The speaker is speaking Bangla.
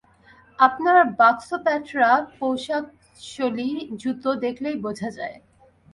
আপনার বাক্সপ্যাঁটরা, পোশাকশৈলি, জুতো দেখলেই বোঝা যায়!